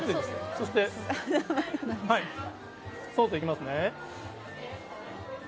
そしてソースいきますね。